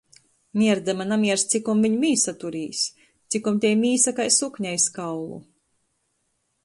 Mierdama namierst, cikom viņ mīsa turīs. Cikom tei mīsa kai sukne iz kaulu.